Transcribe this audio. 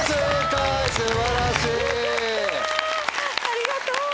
ありがとう！